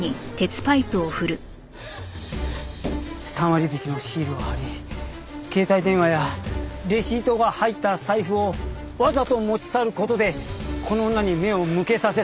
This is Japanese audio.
３割引のシールを貼り携帯電話やレシートが入った財布をわざと持ち去る事でこの女に目を向けさせたんだ。